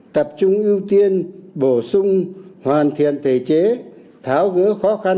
tập trung ưu tiên bổ sung hoàn thiện thể chế tháo gỡ khó khăn